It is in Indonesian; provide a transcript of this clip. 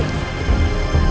selamat siang mbak andin